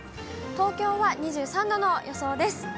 東京は２３度の予想です。